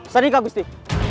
sedih kak gusti